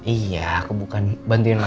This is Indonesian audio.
iya aku bukan bantuin masak mah